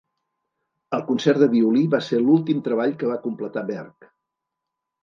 El concert de violí va ser l'últim treball que va completar Berg.